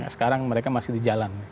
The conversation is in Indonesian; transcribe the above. sekarang mereka masih di jalan